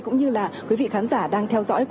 cũng như là quý vị khán giả đang theo dõi qua màn ảnh nhỏ